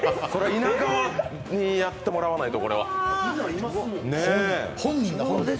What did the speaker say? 稲川にやってもらわないと。